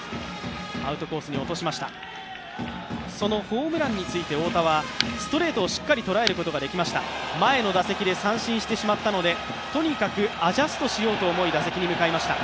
ホームランについて大田はストレートをしっかり捉えることができました、前の打席で三振してしまったのでとにかくアジャストしようと思い打席に向かいました。